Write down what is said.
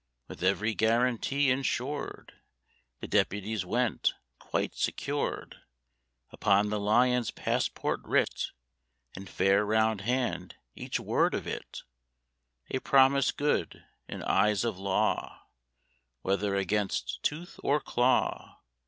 With every guarantee insured, The deputies went, quite secured; Upon the Lion's passport writ, In fair round hand, each word of it A promise good, in eyes of law, [Illustration: THE SICK LION AND THE FOX.] Whether against tooth or claw.